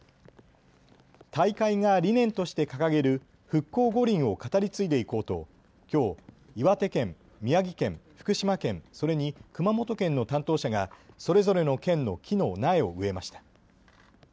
大会が理念として掲げる復興五輪を語り継いでいこうときょう、岩手県、宮城県、福島県、それに熊本県の担当者がそれぞれの県の木の苗を植えました。